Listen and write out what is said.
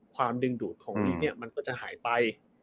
ความดึงดูดของนี้เนี่ยมันก็จะหายไป